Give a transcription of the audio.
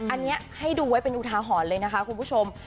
อันนี้ให้ดูไว้เป็นอุทาหรณ์เลยนะคะคุณผู้ชม